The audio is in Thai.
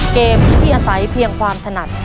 เกมที่อาศัยเพียงความถนัด